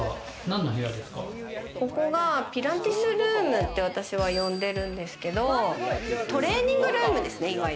ここがピラティスルームで私は呼んでるんですけど、トレーニングルームですね。